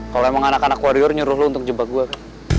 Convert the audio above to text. kalau emang anak anak warrior nyuruh lu untuk jebak gue kan